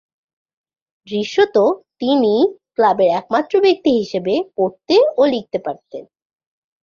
দৃশ্যতঃ তিনিই ক্লাবের একমাত্র ব্যক্তি হিসেবে পড়তে ও লিখতে পারতেন।